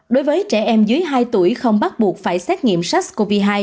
đối với trẻ em dưới hai tuổi không bắt buộc phải xét nghiệm sars cov hai